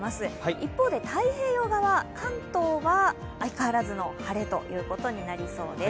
一方で、太平洋側、関東は相変わらずの晴れということになりそうです。